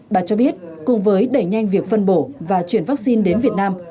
bà cho biết cùng với đẩy nhanh việc phân bổ và chuyển vaccine đến việt nam